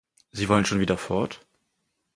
Sie wollen schon wieder fort?